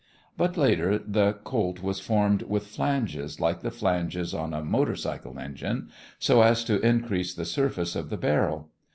But later the Colt was formed with flanges, like the flanges on a motor cycle engine, so as to increase the surface of the barrel.